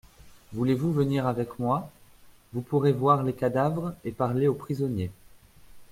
Voulez-vous venir avec moi ? Vous pourrez voir les cadavres et parler au prisonnier.